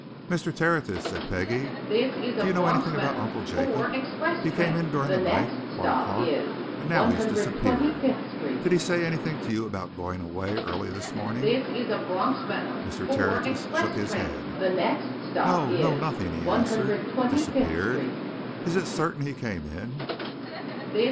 "Mr. Tertius," said Peggie, "do you know anything about Uncle Jacob? He came in during the night one o'clock and now he's disappeared. Did he say anything to you about going away early this morning?" Mr. Tertius shook his head. "No no nothing!" he answered. "Disappeared! Is it certain he came in?"